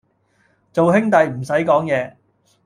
做兄弟唔使講嘢